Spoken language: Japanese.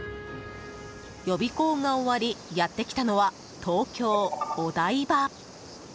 予備校が終わりやってきたのは東京・お台場。